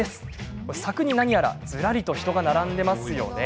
柵に何やらずらりと人が並んでますよね。